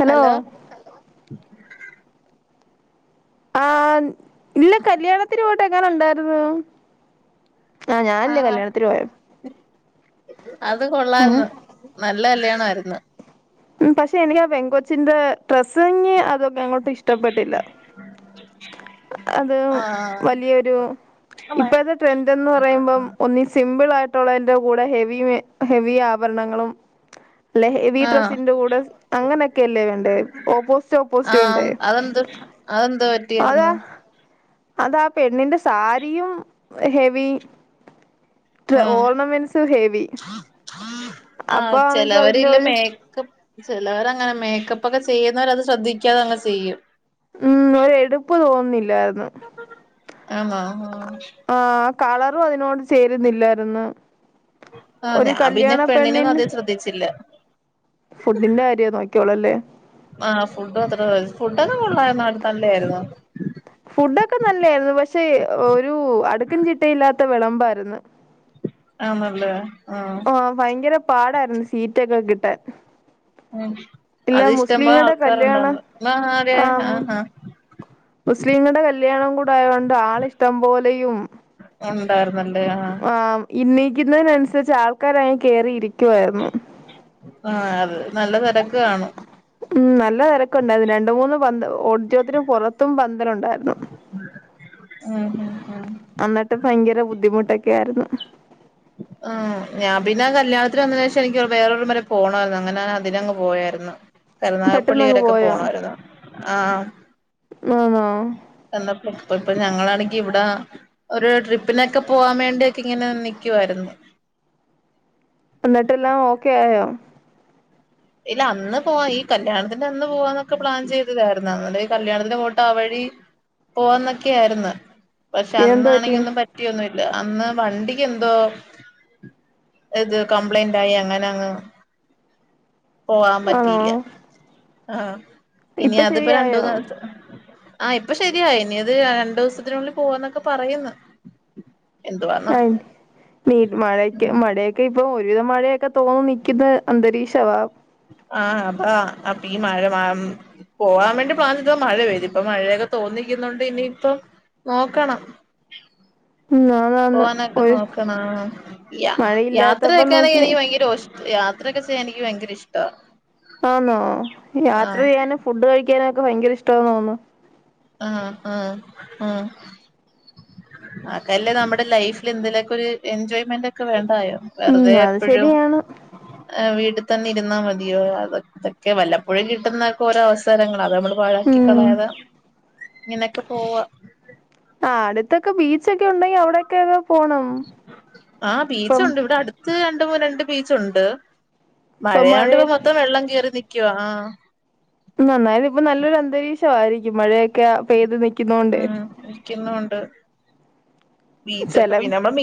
Hello ആഹ് ഇല്ല കല്യാണത്തിന് പോയിട്ട് എങ്ങനെ ഉണ്ടായിരുന്നൂ ആഹ് അത് കൊള്ളായിന്നു നല്ല കല്യാണായിരുന്നു ഉം പക്ഷെ എനിക്കാ പെങ്കൊച്ചിന്റേ ഡ്രസ്സിങ് അതൊക്കെ അങ്ങോട്ട് ഇഷ്ടപ്പെട്ടില്ല അതും ആഹ് വലിയൊരു ഇപ്പെതെ ട്രെൻ്റെന്ന് പറയുമ്പം ഒന്നി സിമ്പിളായിട്ടുള്ളതിന്റെ കൂടെ ഹെവി ഹെവി ആഭരണങ്ങളും അല്ലെ ഹെവി ആഹ് ഡ്രസ്സ് ന്റെ കൂടെ അങ്ങനെയൊക്കെല്ലേ വേണ്ടേ ഓപ്പോസിറ്റ് ഓപ്പോസിറ്റ് വേണ്ടേ അതെന്താ അതാ പറ്റിയാർന്നു അതാ പെണ്ണിന്റെ സാരിയും ഹെവീ ഉം ഹെവി അപ്പൊ ആഹ് ആണെങ്കി അതിന്റെ ചെലവരില്ലെ ഒരു മേക്കപ് ചെലവരങ്ങനെ മേക്കപ്പ് ഒക്കെ ചെയ്യുന്നവർ അത് ശ്രദ്ധിക്കാതെ അങ്ങ് ചെയ്യും ഉം ഒരു എടുപ്പ് തോന്നില്ലായിരുന്നു ആണോ ആഹ് ആഹ് കളറും അതിനോട് ചേരുന്നില്ലായിരുന്നു ആഹ് ഒരു ഞാൻ പിന്നെ കല്യാണ പെണ്ണിനെയൊന്നും പെണ്ണിന്ന് അധികം ശ്രദ്ധിച്ചില്ല ഫുഡ്ഡിന്റെ കാര്യേ നോക്കിയൊള്ളല്ലേ ആഹ് ഫുഡ്ഡ്മാത്ര [unintelligible] ഫുഡ്ഡല്ലാം കൊള്ളായിന്നു നല്ലായിരുന്നു ഫുഡൊക്കെ നല്ലായിരുന്നു പക്ഷെ ഒരു അടുക്കും ചിട്ടയില്ലാത്ത വെളമ്പായിരുന്നു ആണല്ലേ ആഹ് ആഹ് ഫയങ്കര പാടായിരുന്നു സീറ്റൊക്കെ കിട്ടാൻ ഉം ഇല്ല അത് ഇഷ്ടമ്പോലെ മുസ്ലിങ്ങളുടെ കല്യാണം ആൾക്കാരുണ്ടായിന്ന് മാ ആഹ് അതെ ആ ആഹ് മുസ്ലിങ്ങളുടെ കല്യാണം കൂടെ ആയത് കൊണ്ട് ആളിഷ്ടംപോലെയും ഒണ്ടായിരുന്നല്ലേ ആഹ് ആഹ് ഇന്നീക്കുന്നതിനനുസരിച്ച് ആൾക്കാരങ്‌ കേറിയിരിക്കുവായിരുന്നു ആഹ് അത് നല്ല തെരക്ക് കാണും ഉം നല്ല തെരക്കുണ്ടായിരുന്നു രണ്ട് മൂന്ന് പന്ത് ഓഡിറ്റോറിയത്തിനും പൊറത്തും പന്തലുണ്ടായിരുന്നു ആഹ് പിന്നെ ആഹ് അന്നിട്ട് ഭയങ്കര ബുദ്ധിമുട്ടൊക്കെ ആയിരുന്നു ആഹ് ഞാൻപിന്നെ കല്യാണത്തിന് വന്നെത് ശേഷം എനിക്ക് വേറൊരു വരെ പോണായിരുന്നു അങ്ങനെ അതിനങ് പോയാരുന്നു പെട്ടെന്നങ്ങ് കരുനാഗപ്പള്ളിവരൊക്കെ പോയോ പോണായിരുന്നു ആഹ് ആണോ എന്നപ്പ ഇപ്പ ഇപ്പൊ ഞങ്ങളാണെങ്കി ഇവിടേ ഒരു ട്രിപ്പിനൊക്കെ പോവാം വേണ്ടിയൊക്കെ ഇങ്ങനെ നിക്കുവായിരുന്നു എന്നിട്ടെല്ലാം ഓക്കെ ആയോ ഇല്ല അന്ന് പോവാൻ ഈ കല്യാണത്തിന്റെ അന്ന് പോവാന്നൊക്കെ പ്ലാൻ ചെയ്തതായിരുന്നു അതോണ്ട് ഈ കല്യാണത്തിന് പോട്ട് ആവഴി പോവാന്നൊക്കെ ആയിരുന്നു പക്ഷെ അന്നാണെങ്കി ഒന്നും പറ്റി റ്റിയൊന്നുല്ല അന്ന് വണ്ടിക്ക് എന്തോ ഇത് കംപ്ലേന്റായി അങ്ങനെ അങ്ങ് പോവാൻ ആണോ പറ്റിയീല്ല ആഹ് ഇനി ഇപ്പൊ അതിപ്പോ ശരിയായോ രണ്ടൂന്ന് ആഹ് ഇപ്പൊ ശരിയായി ഇനീ അത് രണ്ടു ദിവസത്തിനുള്ളിൽ പോവുന്നൊക്കെ പറയുന്ന് എന്തുവാന്നാ ആയ് നീ മഴക്ക് മഴയൊക്കെ ഇപ്പൊ ഒരുവിധം മഴയൊക്കെ തോന്നു നിക്കുന്ന അന്തരീക്ഷവാ ആഹ് അതാ അപ്പ ഈ മഴ മഴം പോവാൻ വേണ്ടി [unintelligible] മഴ പെയ്തു ഇപ്പൊ മഴയൊക്കെ തോന്നിക്കുന്നുണ്ട് ഇനിയിപ്പൊ നോക്കണം ന്നാ പോകാനൊക്കെ നോക്കണം യ യാത്ര മഴയില്ലാത്തപ്പം വെക്കാണെങ്കിൽ നോക്കി എനിക്ക് ഭയങ്കര്ഷ് യാ ത്രക്കെ ചെയ്യാൻ എനിക്ക് ഭയങ്കര ഇഷ്ടാ ആന്നോ യാത്ര ആഹ് ചെയ്യാനും ഫുഡ് കഴിക്കാനൊക്കെ ഭയങ്കര ഇഷ്ടാന്ന് തോന്നുന്നു ആഹ് ആഹ് ആഹ് അതല്ലേനമ്മടെ ലൈഫിൽ എന്തെലൊക്ക ഒരു എൻജോയ്മെന്റ് ക്കെവേണ്ടായോ വെറുതെ ഉം അത് എപ്പഴും ശരിയാണ് ഏഹ് വീട്ടി തന്നെഇര്ന്നാമതിയോ അത് അതൊക്കെ വല്ലപ്പൊഴും കിട്ടുന്നക്കെ ഓരോ അവസരങ്ങള അത്നമ്മള് ഉം പാഴക്കികളയാതെ ഇങ്ങനെക്കെ പോവാ ആഹ് അടുത്തൊക്കെ ബീച്ചൊക്കെ ഉണ്ടെങ്കി അവടെ ക്ക് പോണു ആ ബീച്ച്ഉണ്ട് ഇവിടെ അട് ത്ത് രണ്ട്മൂ രണ്ട് ബീച്ചുണ്ട് ഇപ്പൊ മഴയാണ്ട് പ്പോ മഴയൊക്കെ മൊത്തം വെള്ളം കേറി നിക്കവാ ആ നന്നായതി ഇപ്പ നല്ലൊരു അന്തരീക്ഷയിരക്കും മഴയൊക്കെ ആ പെയ്ത് നി ഉം ഇരിക്കുന്നൊണ്ട് ബീച്ചക്കെ ചെല പിന്നെ നമ്മ മീ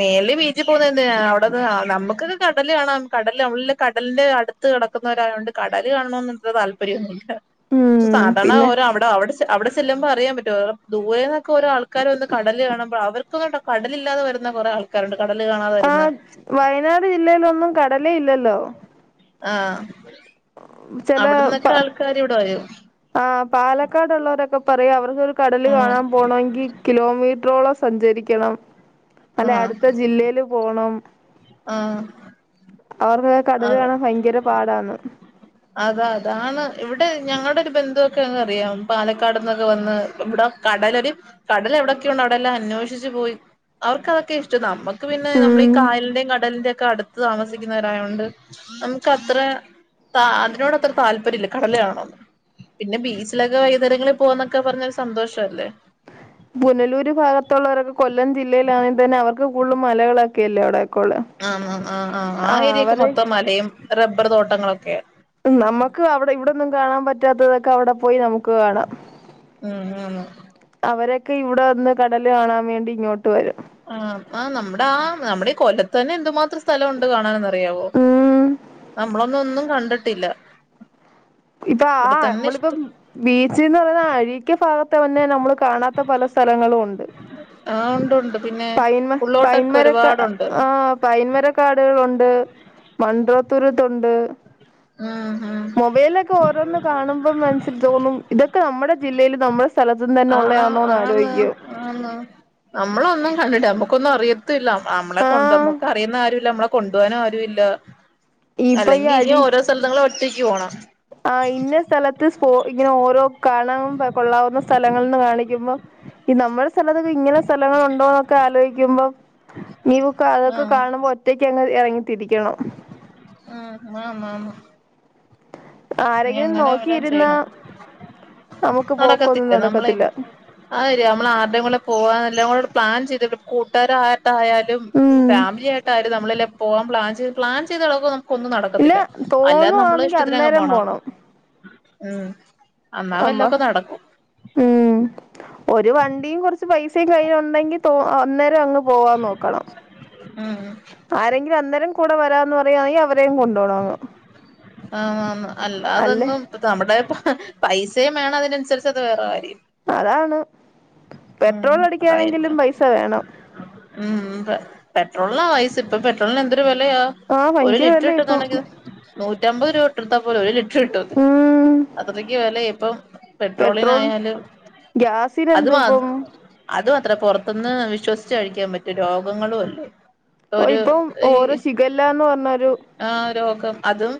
മേല് ബീച്ചി പോകുന്നത്എന്തിന അവിടന്ന് നമുക്ക്കെ കടല് കാണാം കടല് നമ്മള് കടലിന്റെ അടു ത്ത് കടക്കുന്നവരായോണ്ട് കടല് കാണണന്നത്ര താല്പര്യമൊന്നുല്ല ഉം സാധാണ പിന്നെ ഓര് അവിടെ അവിടെച്ചെല്ലുമ്പോ അറിയപറ്റും ദൂരെ നൊക്കെ ഓര ആൾക്കാര് വന്ന് കാണുമ്പോ അവർക്കൊന്ന കടലില്ലാതെ വര്ന്ന കുറേ ആൾ ക്കാരുണ്ട് കടല് കാണാൻ ആ വരുന്ന വയനാട് ജില്ലയിലൊന്നും കടലെ ഇല്ലല്ലോ ആ അവിടന്നൊക്കെ ആൾക്കാര് ഇവിടെ വരും ആ പാലക്കാട്ള്ളവരൊക്കെ പറയും അവർക്കൊക്കെ കടല് ഉം കാണാ പോണോങ്കി കിലോമീറ്ററോളം സഞ്ചരിക്കണം അല്ലെ ആഹ് അടുത്തജില്ലെല് പോണം ആ അവർക്ക്ക്കെകടല് കാണാഫയങ്കര പാടാ ന്ന് അതാ അതാണ് ഇവിടെ ഞങ്ങടെ ഒരു ബന്ധുവൊക്കെ അറിയ പാലക്കാട്ന്നൊക്കെ വന്ന് ഇവിടെ കടലൊര് കടൽ എവിടെക്കെ ഉണ്ട് അവിടെ എല്ലാം അന്വേഷിച്ച്പോയി അവർക്ക് അതൊക്കെ ഇഷ്ടം നമ്മ ക്ക് പിന്നെ നമ്മള് ഈ ഉം കായല്ന്റിം കടലിന്റെ ഒക്കെ അടുത്ത് താമസിക്കവരായോണ്ട് നമുക്ക് അത്ര ത അതിനൊട് അത്ര താല്പര്യമില്ല കടലയാണണം ന്ന് പിന്നെ ബീച്ചിലൊക്കെ വൈകുന്നേരങ്ങളി പോകന്നൊക്കെ പറഞ്ഞൊരു സന്തോഷഅല്ലേ പുനലൂര് ഭാഗത്തുള്ളവരൊക്കെ കൊല്ലം ജില്ലയിലാണെങ്കിതന്നെ കൂടുതലും മലകളല്ലേ അവിടെയൊക്കോള്ളെ ആ ആ ആ ആ ആ ഏരിയക്ക് മൊത്തം മലയും റബ്ബർ തോട്ടങ്ങളൊക്കെണ് നമക്ക് അവിടെ ഇവിടെന്നും കാണാ പറ്റാത്തതൊക്കെ അവിടെ പോയി നമുക്ക് കാണാം ഉം ഉം അവരൊക്കെ ഇവിടെ വന്ന് കടല് കാണാവേണ്ടി ഇങ്ങോട്ട് വരും ആഹ് ആ നമ്മടെ ആ നമ്മടെ ഈ കൊല്ലത്ത് തന്നെ എന്ത്മാത്രം സ്ഥലംണ്ട് കാണാനന്ന് അറിയാവോ ഉം നമ്മളൊന്നും ഒന്നും കണ്ട്ട്ടില്ല ഇപ്പ ആ നമ്മളിപ്പം ബീച്ച് ന്ന് പറഞ്ഞ അഴിക്ക ഭാഗത്തെ തന്നെ നമ്മള് കാണാത്ത പല സ്ഥലങ്ങളും ഉണ്ട് ആഹ് ഉണ്ട് ഉണ്ട് പിന്നെ പൈന്മ ഉള്ളോട്ടൊക്കെ പൈന്മരൊക്കെ ഒരുപാടുണ്ട് ആ ആ പൈന്മരക്കാടുകളുണ്ട് മൺഡ്രതുരുത്ത്ഉണ്ട് ആഹ മൊബൈലിലൊക്കെ ഓരോന്ന് കാണുമ്പോ മനസ്സിതോന്നും ഇതൊക്കെ നമ്മുടെ ജില്ലൽ നമ്മള് സ്ഥലത്തന്ന് തന്നെ ആ ഉള്ളണോന്ന് ആന്ന് ആലോയ്ക്കും ആ നമ്മളൊന്നും കണ്ടില്ല നമ്മുക്കൊന്നും അറിയതില്ല നമ്മളെ ആ കൊണ്ട് നമ്മുക്ക് അറിയുന്ന ആരുല്ല നമ്മള കൊണ്ടുവാനും ആരു ഇല്ല ഇപ്പൊ അല്ലെങ്കി ഇനി ഓരോ സ്ഥലത്ത് മ്മള് ഒടറ്റക്ക് പോണം ആ ഇന്ന സ്ഥലത്ത് പോ ഇങ്ങനെ ഓരോ കാണാൻകൊള്ളാവുന്ന സ്ഥലങ്ങൾന്ന് കാണിക്കുമ്പോ ഈ നമ്മുടെ സ്ഥലത്ത് ഇങ്ങനെ സ്ഥലങ്ങളുണ്ടോന്നൊക്കെ ആലോയ്ക്കുമ്പോ നീയുക്ക ആ അതൊക്കെ കാണുമ്പോ ഒറ്റയ്ക്ക് അങ്ങ് ഇറങ്ങിത്തിരിക്കണം ആ മാമാമാ നി ആരെങ്കിലും അങ്ങനെ വല്ലാം നോക്കിയിരുന്നാ ചെയ്യണം നമുക്ക് പോക്കൊന്നും നടക്കത്തില്ല നമ്മളെ നടക്കത്തില്ല അഹെര്യ നമ്മള ആര്ടെങ്കിലും പോവാന്ന ല്ലാംകൂട് പ്ലാൻ ചെയ്തി കൂട്ടാര ആ ട്ടായാലും ഉം ഫാമിലിയായിട്ടയാലും നമ്മളല്ലെ പോവാൻ പ്ലാൻ ചെയ്ത് പ്ലാൻ ചെയ്തളക്കും ഒന്നും ഇല്ല നടക്കത്തില്ല അല്ലാതെ നമ്മളെ തോന്നുവാന്നെങ്കി ഇഷ്ടത്തിനങ്ങ് അന്നേരം പോണം ഉം അന്നാ വല്ല അമ്മ ഒക്ക നടക്കും ഉം ഒരു വണ്ടിം കൊർച്ച് പൈസിം കയ്യ്ലുണ്ടെങ്കി തോ അന്നേരം അങ് പോവാം നോക്കണം ഉം ആരെങ്കിലും അന്നേരം കൂട വരാന്ന് പറയാണെങ്കി അവരേം കൊണ്ടോണം ആ അൽ അല്ലേ അതെന്നും നമ്മുടെ പൈസേം വേണം അതിനൻസര്ച്ച് അത് വേറെ കാര്യം അതാണ് ഉം പെട്രോള് അതാ അടിക്കാനെങ്കിലും ഏറ്റവും പൈസ വേണം ഉം പെട്രോളിന പൈസസ ഇപ്പ പെട്രോളിന് എന്തൊരു വെലയാ ആഹ് ഒരു ഭയങ്കര ലിറ്റർ വെലയാ ഇപ്പം കിട്ട്ന്നാണ്ടെങ്കി നൂറ്റമ്പത് രൂപ ഇട്ടട്ത്താ പോര ഒരു ലി റ്റ്ട്ടും ഉം അത്രക്ക് വെലെ ഇപ്പം പെട്രോളിനായാലും ഗ്യാസ് അത് മാ അത് മാത്രെ പോറത്ത്ന്ന് വിശ്വസ്ച്ച് കഴിക്ക്യാം പറ്റു രോഗങ്ങളു അല്ലേ ഓ ഒരു ഇപ്പം ഈ ഓരോ ശിഖല്ലാന്ന് പർഞ്ഞൊരു ആ രോഗം അതും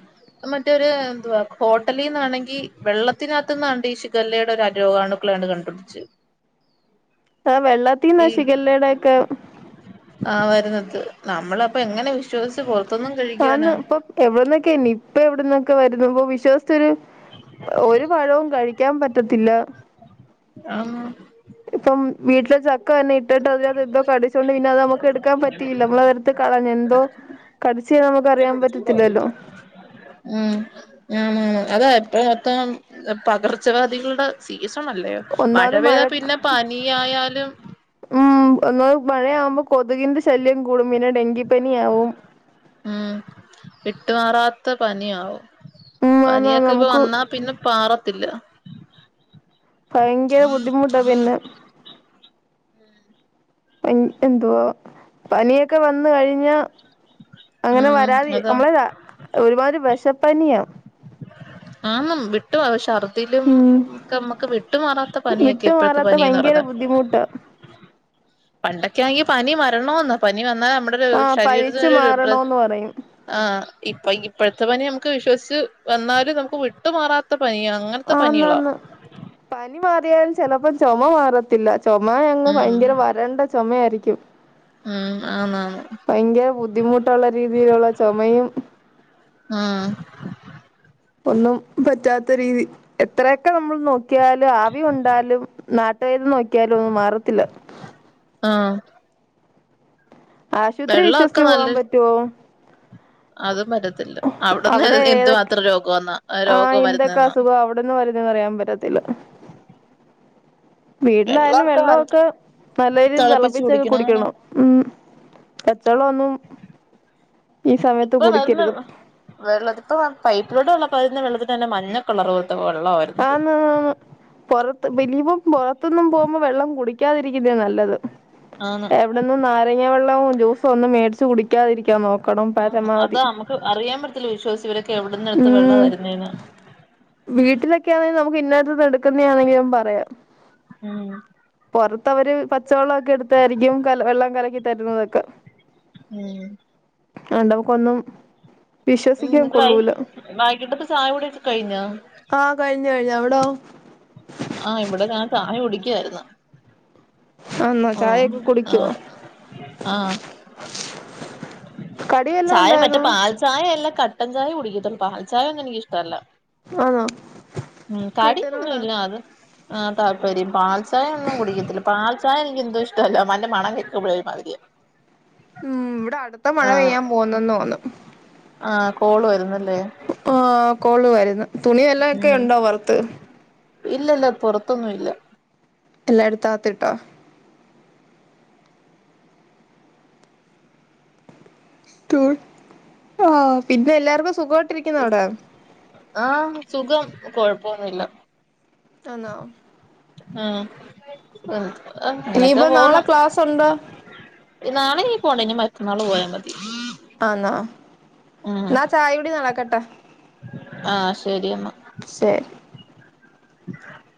മറ്റൊരു എന്തുവാ ഹോട്ടലീന്നാണെങ്കി വെള്ളത്തിനകത്ത് ന്നാണ്ട് ഈ ശിഗല്ലയുടെ ഒരു രോഗാണു ക്കളെണ് കണ്ടു പുട്ച്ച് ആ വെള്ളത്തീന്ന ഈ ശിഗല്ലെടെക്കെ ആ വര്ന്നത് നമ്മളപ്പൊ എങ്ങനെ വിഷ്യസ്ച്ച് പൊർ ആന്ന് ഇപ്പ എവട്ന്നൊക്കെ നിപ്പ എവ്ട്ന്നൊക്കെ വരുന്ന ഇപ്പം വിശ്വസ് ച്ചരു ഒരു പഴവും കഴിക്ക്യാം പറ്റത്തില്ല ആഹ് ഇപ്പം വീട്ടിലെ ചക്ക തന്നെ ഇട്ടിട്ട് അതിനത് എന്തോ കടിച്ചോണ്ട് പിന്നെ അത് നമുക്ക് എടുക്കാൻ പ റ്റിയില്ല നമ്മള് അത് എടുത്ത് കളഞ് എന്തോ കടിച്ച് നമുക്ക് അറിയാം പറ്റത്തില്ലല്ലോ ഉം ആ മാണം അതാ ഇപ്പ മൊത്തം പകർച്ചവ്യാധികൾടെ സീസണ അല്ലേയൊ മഴ പെയ്താ പിന്നെ പനിയായാലും ഉം [unintelligible] മഴയാവുമ്പ കൊതുകിന്റെ ശല്യം കൂടും പിന്നെ ഡെങ്കിപ്പനിയാവും ഉം വിട്ട് മാറാത്ത പനിയാവും ഉം ആന്ന് ആന്ന് പനിയൊക്ക ഇപ്പ നമുക്ക് വന്നാ പിന്നെ പാറത്തില്ല ഭയങ്കര ബുദ്ധിമുട്ടാ പിന്നെ എൻ എന്തുവാ പനിയൊക്ക വന്ന് കഴിഞ്ഞാ അങ്ങനെ ഉം വരാതി അതാ നമ്മളെ ഒരുമാതിരി വെഷ പനിയാ ആന്നം വി ട്ടു പ ശർദ്ദിലും ഉം ഒക്ക മ്മക്ക് വിട്ടുമാറാത്ത പനിയക്കെ വിട്ടു ഇപ്പഴത്തെ മാറാത്ത പനീന്ന് ഭയങ്കര പറഞ്ഞ ബുദ്ധിമുട്ടാ പണ്ടൊക്കയായെങ്കി പനി വരണോന്ന പനി വന്നാ നമ്മടെ ഒരു ആഹ് പനിച്ചു ശരീരത്തിനൊരു രു മാറണോന്ന് പറയും ആഹ് ഇപ്പ ഇപ്പഴത്തെ പനി നമുക്ക് വിശ്വസ്ച്ച് വന്നാല് നമുക്ക് വിട്ടുമാറാത്ത പനിയാ അങ്ങനത്തെ പനികളാ ആന്നാന്ന് പനി മാറിയാൽ ചെലപ്പോ ചോമ മാറ ത്തില്ല ചോമ അങ്ങ് ഉം ഭയങ്കര വരണ്ട ചുമയായിരിക്യും ഉം ആന്നാന്ന് ഭയങ്കര ബുദ്ധിമുട്ടുള്ള രീതിയിലുള്ള ചോമയും ആഹ് ഒന്നും പറ്റാത്ത രീതി എത്രയൊക്കെ നമ്മള് നോക്കിയാലും ആവി കൊണ്ടാലും ന ട്ടേത് നോക്കിയാലും മാറത്തില്ല ആഹ് ആശുത്രി വെള്ളൊക്കെ വിശ്വസ്ച്ച് പോവാം നല്ല പറ്റോ അതും പറ്റത്തില്ല അവട്ന്ന് അവിടെ ഏതൊക്കെ എന്തുമാത്രം രോഗം വന്ന രോഗം വരുന്നന്നാ എവിടെന്ന് വരുന്നന്ന് പറയാൻ പറ്റത്തില്ല വീട്ടിലായാലും വെള്ളൊക്കെ നല്ല രീതിയിൽ തിളപ്പിച്ച് തിളപ്പിച്ചങ്ങ് കുടിക്കണോനാ കുടിക്കണം ഉം പച്ചള്ളം ഒന്നും ഈ സമയത്ത് ഇപ്പൊ കുടിക്കരുത് വരുന്നൊള്ളു. വെള്ളത്തി ഇപ്പൊ പൈപ്പിലൂടെ വള്ളം വരുന്നവെള്ളത്തി തന്നെ മഞ്ഞക്കളർ പോലെത്ത വെള്ളമായിരുന്നു ആന്ന് പുറ മിനിമംപുറത്തൊന്നും പോകുമ്പോ വെള്ളം കുടിക്കാതിരിക്കുന്ന നല്ലത്. ആന്ന്‌ എവിടന്നും നാരങ്ങ വെള്ളവും ജ്യൂസും ഒന്നും മേടിച്ച് കുടിക്കാതിരിക്കാ നോക്ക ഉം അതാ നമുക്ക് അറിയാൻ പറ്റത്തില്ല വിശ്വാസിച്ച് ഇവരൊക്കെ എവിടന്ന് എടുത്ത് വെള്ള വരുന്നേന് വീട്ടിലൊക്കെയാണെങ്കിൽ നമുക്ക് ഇന്നടുത്ത് എടുക്കുന്നാണെങ്കിലും പറയാം ഉം പുറത്ത്‌ അവര് പച്ചവെള്ളം ഒക്കെ എടുത്തായിരിക്കും കല വെള്ളം കലക്കി തരുന്നതൊക്കെ ഉം രണ്ടാൾക്കൊന്നും ഉം മനസ്സിലായി വൈകിട്ടത്തെ ചായ കൂടി ഒക്കെ കഴിഞ്ഞോ ആഹ് കഴിഞ്ഞു കഴിഞ്ഞു അവിടെയോ ആഹ് ഇവിടെ ഞാൻ ചായ കുടിക്കായിരുന്നു ആന്നാ ചായയൊക്കെ കുടിക്കുവോ. ആഹ് ആഹ് കടി വല്ലോം ചായ മറ്റേ ഉണ്ടായിരുന്നോ പാൽ ചായ എല്ലാ കട്ടൻ ചായ കുടിക്കത്തുള്ളൂ പാൽ ചായ ഒന്നും എനിക്ക് ഇഷ്ടമല്ല. ആന്നോ ഉം കട്ടൻ കാടിക്കൊന്നും വട ഇല്ല അത് ആ താല്പര്യം പാൽ ചായഒന്നും കുടിക്കത്തില്ല പാൽ പാൽ ചായഎനിക്ക് എന്തോ ഇഷ്ടല്ല അതിന്റെമണം കേക്ക്പോഴ ഒരുമാതിരിയ. ഉം ഇവിടെ അടുത്ത മഴ ആഹ് പെയ്യാൻ പോന്നുന്ന് തോന്നുന്ന് ആഹ് കോള് വരുന്നല്ലേ ആ കോളു വരുന്നുതുണിയെല്ലാം ഒക്കെ ഉണ്ടോ പൊറത്ത്. ഇല്ല ഇല്ല പുറത്തൊന്നും ഇല്ല എല്ലാം എടുത്താ അകത്തിട്ടോ ഇട്ടു ആ പിന്നെ എല്ലാർക്കും സുഖമായിട്ടിരിക്കുന്നോ അവിടെ ആഹ് സുഖം കൊഴപ്പൊന്നുമില്ല ആണോ ആഹ് ആഹ് അങ്ങനൊക്കെ ഇനിയിപ്പോ നാളെ പോകുന്ന് ക്ലാസ് ഉണ്ടോ നാളെ നീ പോവണ്ട ഇനി മറ്റന്നാള് പോയാ മതി ആന്നൊ ഉം എന്നാ ചായ കുടി നടക്കട്ടെ ആഹ് ശരി എന്നാ ശരി [inaudible]